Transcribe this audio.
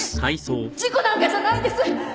事故なんかじゃないんです！